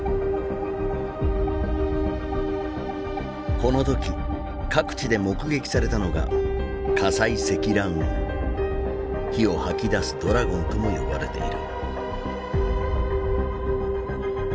この時各地で目撃されたのが火を吐き出すドラゴンとも呼ばれている。